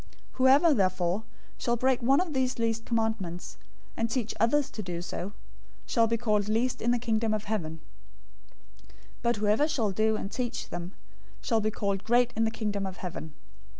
005:019 Whoever, therefore, shall break one of these least commandments, and teach others to do so, shall be called least in the Kingdom of Heaven; but whoever shall do and teach them shall be called great in the Kingdom of Heaven.